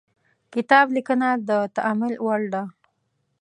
کاتب لیکنه د تأمل وړ ده.